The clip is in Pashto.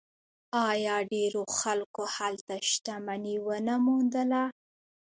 آیا ډیرو خلکو هلته شتمني ونه موندله؟